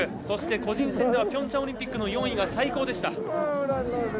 そして個人戦ではピョンチャンオリンピックの４位が最高でした。